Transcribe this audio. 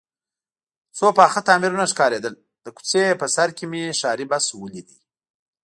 څو پاخه تعمیرونه ښکارېدل، د کوڅې په سر کې مې ښاري بس ولید.